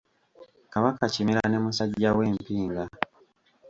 Kabaka Kimera ne musajja we Mpinga.